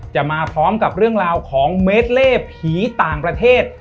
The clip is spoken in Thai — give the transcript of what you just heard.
มาพร้อมกับเรื่องราวของเมดเล่ผีต่างประเทศ